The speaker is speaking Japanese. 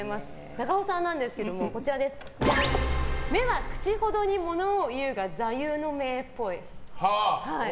中尾さんなんですけども目は口程に物を言うが座右の銘っぽい。